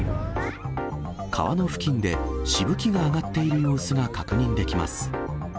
川の付近でしぶきが上がっている様子が確認できます。